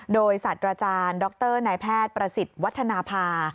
โดยสัตว์อาจารย์ดรนายแพทย์ประสิทธิ์วัฒนภา